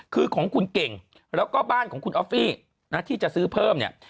คือของคุณเก่งแล้วก็บ้านของคุณออฟฟี่นะที่จะซื้อเพิ่มเนี่ย